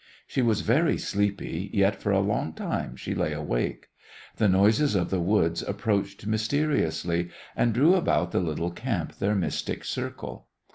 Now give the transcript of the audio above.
She was very sleepy, yet for a long time she lay awake. The noises of the woods approached mysteriously, and drew about the little camp their mystic circle.